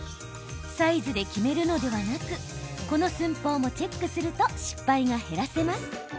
サイズで決めるのではなくこの寸法もチェックすると失敗が減らせます。